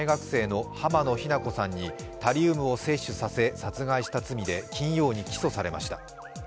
去年１０月、知人で大学生の濱野日菜子さんにタリウムを摂取させ、殺害した罪で金曜に起訴されました。